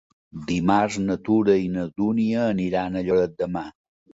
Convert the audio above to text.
Dimarts na Tura i na Dúnia aniran a Lloret de Mar.